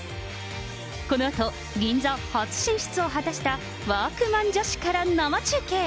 このあと、銀座初進出を果たしたワークマン女子から生中継。